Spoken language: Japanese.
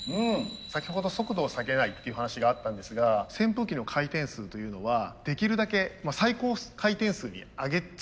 先ほど速度を下げないっていう話があったんですが扇風機の回転数というのはできるだけ最高回転数に上げ続けておきたいんですよ。